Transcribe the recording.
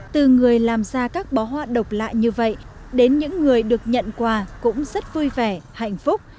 từ người làm ra các bó hoa độc lạ như vậy đến những người được nhận quà cũng rất vui vẻ hạnh phúc